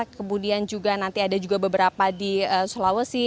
kemudian juga nanti ada juga beberapa di sulawesi